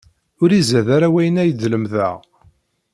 Ur izad wara wayen ay d-lemdeɣ.